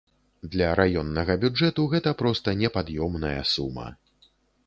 Для раённага бюджэту гэта проста непад'ёмная сума.